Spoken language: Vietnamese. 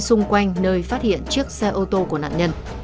xung quanh nơi phát hiện chiếc xe ô tô của nạn nhân